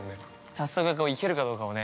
早速行けるかどうかをね。